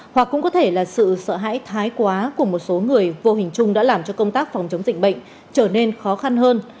hoặc cũng có thể là sự sợ hãi thái quá của một số người vô hình chung đã làm cho công tác phòng chống dịch bệnh trở nên khó khăn hơn